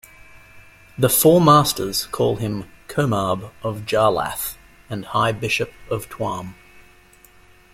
The "Four Masters" call him Comarb of Jarlath and High Bishop of Tuam.